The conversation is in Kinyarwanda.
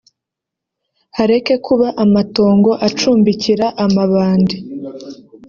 hareke kuba amatongo acumbikira amabandi